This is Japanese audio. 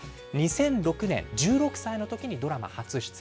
２００６年、１６歳のときにドラマ初出演。